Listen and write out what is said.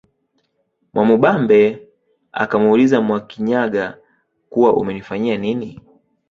Mwamubambe akamuuliza Mwakinyaga kuwa umenifanya nini